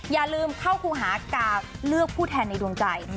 อย่าลืมเข้าครูหากาวเลือกผู้แทนในดวงใจ